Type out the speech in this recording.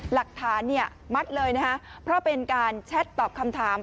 หลักฐานมัดเลยเพราะเป็นการแชทตอบคำถาม